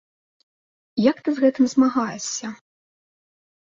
Як ты з гэтым змагаешся?